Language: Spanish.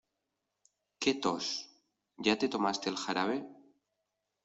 Qué tos, ¿ya te tomaste el jarabe?